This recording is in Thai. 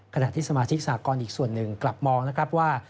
ขณะที่สมาชิกสากรอีกส่วนหนึ่งกลับมองนะครับว่า